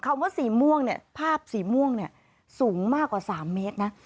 คำว่าสีม่วงเนี่ยภาพสีม่วงเนี่ยสูงมากกว่า๓เมตรนะ